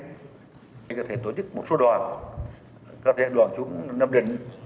chúng ta có thể tổ chức một số đoàn có thể đoàn chúng nằm đền